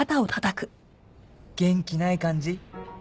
元気ない感じ？